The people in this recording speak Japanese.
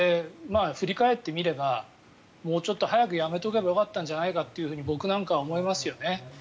振り返ってみればもうちょっと早くやめておけばよかったんじゃないかと僕なんかは思いますよね。